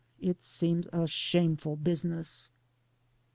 It seems a shameful busi ness.